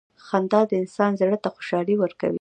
• خندا د انسان زړۀ ته خوشحالي ورکوي.